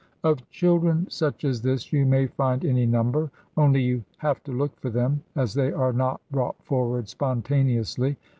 Of children such as this you may find any number. Only you have to look for them, as they are not brought forward spontaneously.